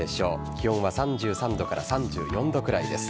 気温は３３度から３４度くらいです。